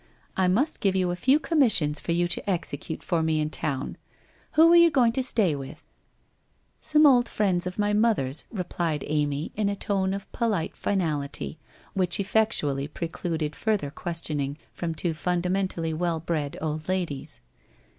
I must give you a few commissions for you to execute for me in town. Who are you going to stay with ?'' Some old friends of my mother's/ replied Amy in a tone of polite finality which effectually precluded further ques tioning from two fundamentally well bred old ladies.